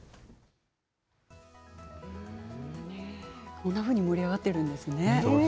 こんなふうに盛り上がっているんですね。